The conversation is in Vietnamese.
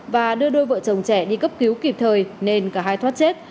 và đưa đôi vợ chồng trẻ đi cấp cứu kịp thời nên cả hai thoát chết